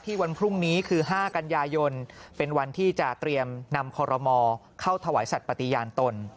วันพรุ่งนี้คือ๕กันยายนเป็นวันที่จะเตรียมนำคอรมอเข้าถวายสัตว์ปฏิญาณตน